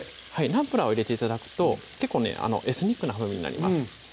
ナンプラーを入れて頂くと結構ねエスニックな風味になります